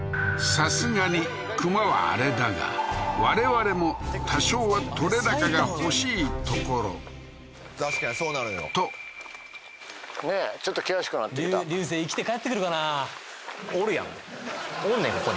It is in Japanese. さすがに熊はあれだが我々も多少は撮れ高が欲しいところとねえちょっと険しくなってきた流星生きて帰ってくるかなおるやんおんねん